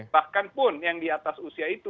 bahkan pun yang di atas usia itu